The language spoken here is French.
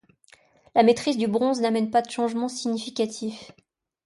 La maitrise du bronze n'amène pas de changement significatif.